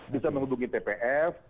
bisa menghubungi tpf